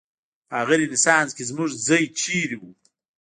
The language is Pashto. په هغه رنسانس کې زموږ ځای چېرې و؟